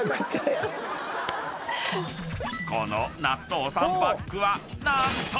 ［この納豆３パックは何と］